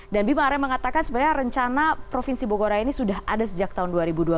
dan bima arya mengatakan sebenarnya rencana provinsi bogor raya ini sudah ada sejak tahun dua ribu dua belas